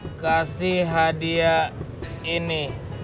gue kasih hadiah ini